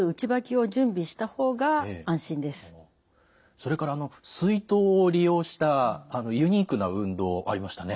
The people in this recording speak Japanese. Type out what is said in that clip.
それから水筒を利用したユニークな運動ありましたね。